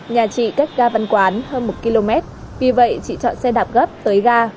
nhà chị cách ga văn quán hơn một km vì vậy chị chọn xe đạp gấp tới ga